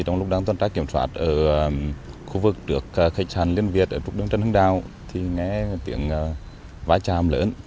trong lúc đang tuần tra kiểm soát ở khu vực được khách sạn liên việt ở trục đường trần hưng đạo nghe tiếng vãi tràm lớn